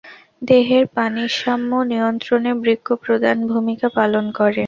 দেহের পানিসাম্য নিয়ন্ত্রণে বৃক্ক প্রধান ভূমিকা পালন করে।